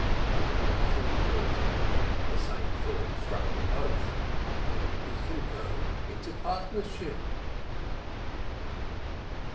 "A livelihood!" the same thought struck them both. <rWe can go into partnership